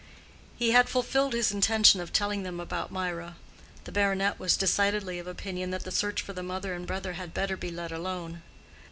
He had fulfilled his intention of telling them about Mirah. The baronet was decidedly of opinion that the search for the mother and brother had better be let alone.